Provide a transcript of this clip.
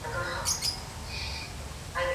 akaniambia ni pige zain kwenye website ya tume